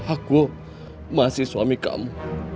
aku masih suami kamu